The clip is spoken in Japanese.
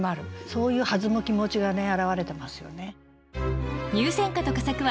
そういう弾む気持ちがね表れてますよね。